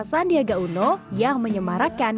sandiaga uno yang menyemarakan